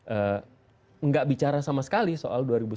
tidak bicara sama sekali soal dua ribu sembilan belas